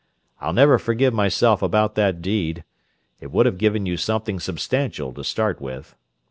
I'll never forgive myself about that deed: it would have given you something substantial to start with.